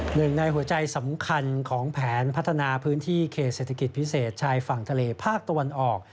หนึ่งในหัวใจสำคัญของแผนพัฒนาพื้นที่เขตเศรษฐกิจพิเศษชายฝั่งทะเลภาคตะวันออก